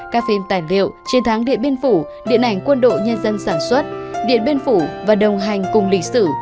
các phim tài liệu chiến thắng điện biên phủ điện ảnh quân đội nhân dân sản xuất điện biên phủ và đồng hành cùng lịch sử